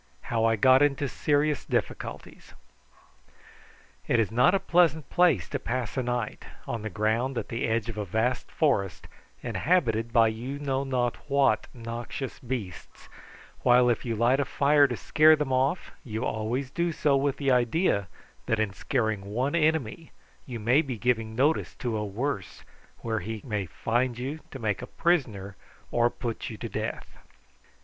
HOW I GOT INTO SERIOUS DIFFICULTIES. It is not a pleasant place to pass a night, on the ground at the edge of a vast forest, inhabited by you know not what noxious beasts, while if you light a fire to scare them off you always do so with the idea that in scaring one enemy you may be giving notice to a worse where he may find you to make a prisoner or put you to death.